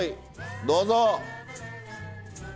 どうぞ。